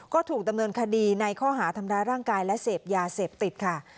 ก็ถูกดำเนินคดีในข้อหาทำร้ายร่างกายและเสพยาเสพติดค่ะ